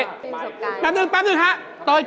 ถามพี่ปีเตอร์